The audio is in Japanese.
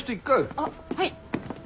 あっはい！